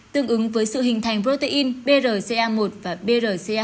tương ứng với sự hình thành protein brca một và brca hai